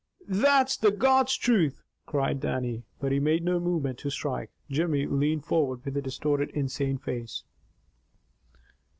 "THAT'S the God's truth!" cried Dannie. But he made no movement to strike. Jimmy leaned forward with a distorted, insane face.